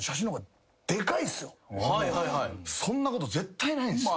そんなこと絶対ないんす。